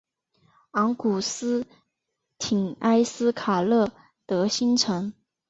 昂古斯廷埃斯卡勒德新城。